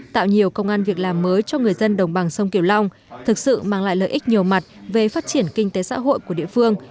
tạo nhiều công an việc làm mới cho người dân đồng bằng sông kiều long thực sự mang lại lợi ích nhiều mặt về phát triển kinh tế xã hội của địa phương